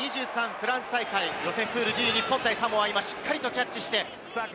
フランス大会、初戦プールＤ日本対サモア、今、しっかりとキャッチして。